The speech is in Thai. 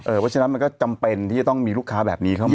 เพราะฉะนั้นมันก็จำเป็นที่จะต้องมีลูกค้าแบบนี้เข้ามา